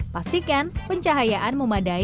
pastikan pencahayaan memadai